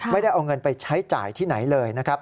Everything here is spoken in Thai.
ไม่ได้เอาเงินไปใช้จ่ายที่ไหนเลยนะครับ